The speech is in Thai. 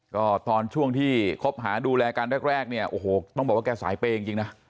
ก็ตอนช่วงที่คบหาดูแลกันแรกเนี่ยโอ้โหต้องบอกว่าแกสายเปย์จริงนะ